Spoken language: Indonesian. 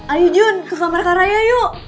ayo jun ke kamar karaya yuk